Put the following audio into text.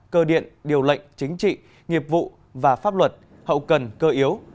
cơ điện điều lệnh chính trị nghiệp vụ và pháp luật hậu cần cơ yếu